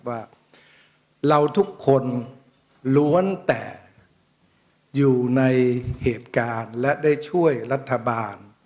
ว่าเราทุกคนล้วนแต่อยู่ในเหตุการณ์และได้ช่วยรัฐบาล